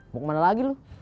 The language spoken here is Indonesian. mau kemana lagi lo